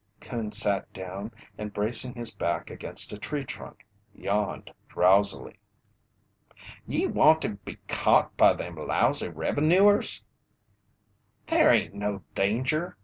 Coon sat down, and bracing his back against a tree trunk, yawned drowsily. "Ye want to be caught by them lousy revenooers?" "There hain't no danger.